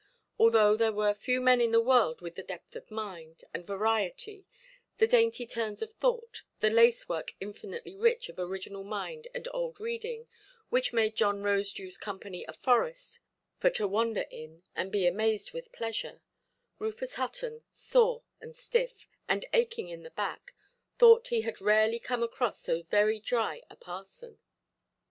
Although there were few men in the world with the depth of mind, and variety, the dainty turns of thought, the lacework infinitely rich of original mind and old reading, which made John Rosedewʼs company a forest for to wander in and be amazed with pleasure; Rufus Hutton, sore and stiff, and aching in the back, thought he had rarely come across so very dry a parson.